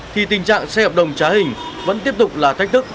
thì tình trạng xe hợp đồng trá hình vẫn tiếp tục là thách thức